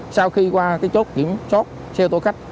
sau khi qua chốt kiểm soát xe ô tô khách